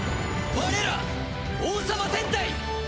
我ら王様戦隊。